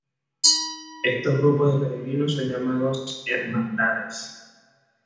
Estos grupos de peregrinos son llamados "Hermandades".